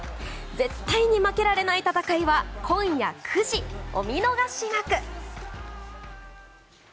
絶対に負けられない戦いは今夜９時、お見逃しなく。